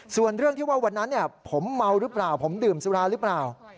ส่วนเรื่องที่ว่าวันนั้นผมเมาหรือเปล่าผมดื่มสุราหรือเปล่า